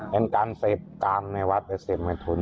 เป็นการเสพกามในวัดไปเสพเงินทุน